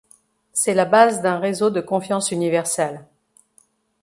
C'est la base d'un réseau de confiance universel.